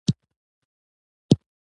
مالي اهدافو ته رسېدل اقتصادي پرمختګ تضمینوي.